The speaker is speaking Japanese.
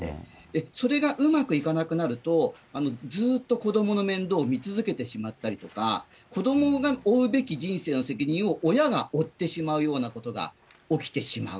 それがうまくいかなくなると、ずっと子どもの面倒を見続けてしまったりとか、子どもが負うべき人生の責任を親が負ってしまうようなことが起きてしまう。